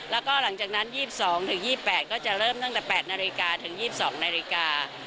แล้วก็หลังจากนั้น๒๒๒๘ก็จะเริ่มตั้งแต่๘นาฬิกาถึง๒๒นาฬิกา